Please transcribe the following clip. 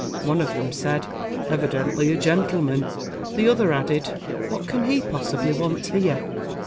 One of them said: "Evidently a gentleman." The other added: "What can he possibly want here?"